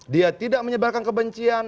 dia tidak menyebarkan kebencian